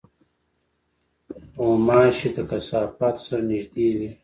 غوماشې د کثافاتو سره نزدې وي.